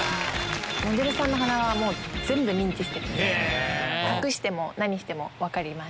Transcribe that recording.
モデルさんの鼻は全部認知してるので隠しても何しても分かります。